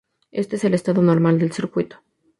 Éste es el estado normal del circuito.